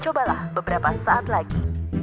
cobalah beberapa saat lagi